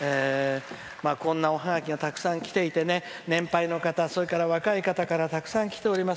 こんなおハガキがたくさんきていて年配の方、それから若い方からたくさんきております。